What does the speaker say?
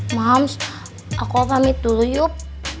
mams aku mau pamit dulu yuk